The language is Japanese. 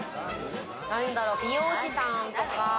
なんだろう美容師さんとか？